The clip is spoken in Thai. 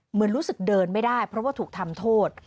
เหมือนรู้สึกเดินไม่ได้เพราะว่าถูกทำโทษ